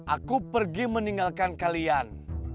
aku pergi meninggalkan kalian